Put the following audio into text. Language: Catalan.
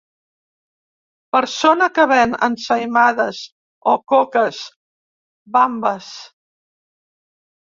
Persona que ven ensaïmades o coques bambes.